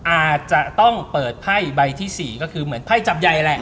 แผ่นใบที่๔ก็คือเหมือนแผ่นจับใยแหละ